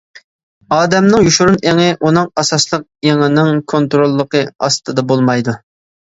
ئادەمنىڭ يوشۇرۇن ئېڭى ئۇنىڭ ئاساسلىق ئېڭىنىڭ كونتروللۇقى ئاستىدا بولمايدۇ.